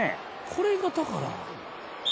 これがだから。